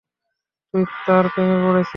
তুই তার প্রেমে পড়েছিস।